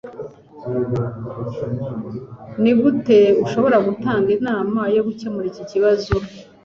Nigute ushobora gutanga inama yo gukemura iki kibazo